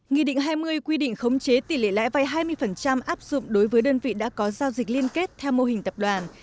nghị định hai mươi quy định khống chế tỷ lệ lãi vay hai mươi áp dụng đối với đơn vị đã có giao dịch liên kết theo mô hình tập đoàn